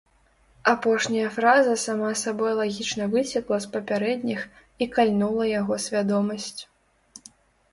Апошняя фраза сама сабой лагічна выцекла з папярэдніх і кальнула яго свядомасць.